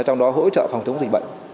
trong đó hỗ trợ phòng chống dịch bệnh